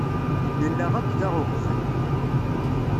Nella akk da uqbel.